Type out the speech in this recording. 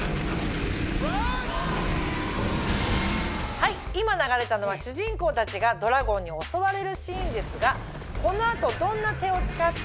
はい今流れたのは主人公たちがドラゴンに襲われるシーンですがこの後。